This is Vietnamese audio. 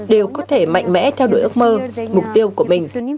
đều có thể mạnh mẽ theo đuổi ước mơ mục tiêu của mình